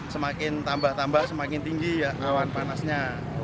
semakin tambah tambah semakin tinggi ya awan panasnya